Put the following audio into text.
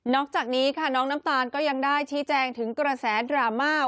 จากนี้ค่ะน้องน้ำตาลก็ยังได้ชี้แจงถึงกระแสดราม่า